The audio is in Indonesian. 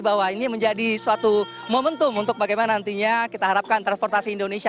bahwa ini menjadi suatu momentum untuk bagaimana nantinya kita harapkan transportasi indonesia